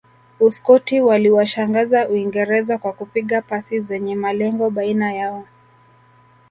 Uskoti waliwashangaza uingereza kwa kupiga pasi zenye malengo baina yao